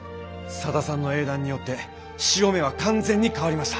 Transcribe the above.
佐田さんの英断によって潮目は完全に変わりました。